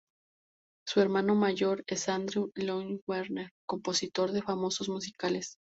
Su hermano mayor es Andrew Lloyd Webber, compositor de famosos musicales.